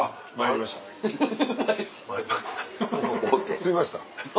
詰みました。